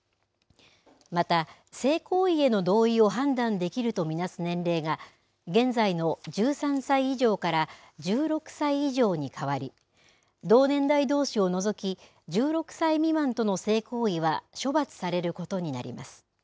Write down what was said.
また、性行為への同意を判断できると見なす年齢が、現在の１３歳以上から１６歳以上に変わり、同年代どうしを除き、１６歳未満との性行為は処罰されることになります。